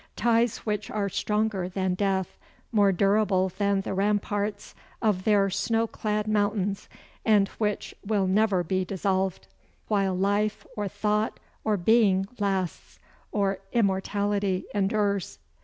Ties which are stronger than death, more durable than the ramparts of their snow clad mountains, and which will never be dissolved "While life, or thought, or being lasts; Or immortality endures."